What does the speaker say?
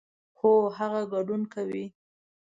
هو، هغه ګډون کوي